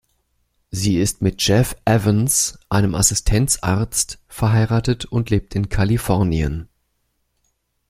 Sie ist mit Jeff Evans, einem Assistenzarzt, verheiratet und lebt in Kalifornien.